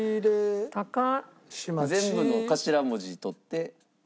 全部の頭文字取って。